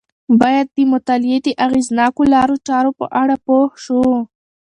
باید د مطالعې د اغیزناکو لارو چارو په اړه پوه شو.